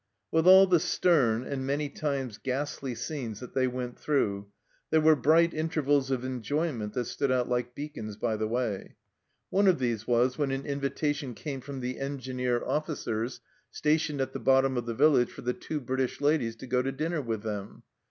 With all the stern, and many times ghastly, scenes that they went through, there were bright intervals of enjoyment that stood out like beacons by the way. One of these was when an invitation came from the Engineer officers stationed at the bottom of the village for the two British ladies to go to dinner with them.